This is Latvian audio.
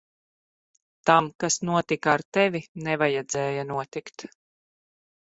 Tam, kas notika ar tevi, nevajadzēja notikt.